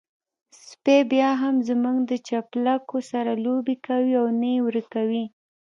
سپی بيا هم زموږ د چپلکو سره لوبې کوي او نه يې ورکوي.